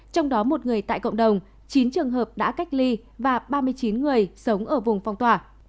trong đó một người tại cộng đồng chín trường hợp đã cách ly và ba mươi chín người sống ở vùng phong tỏa